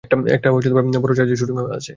একটা বড় জাহাজে শ্যুটিং।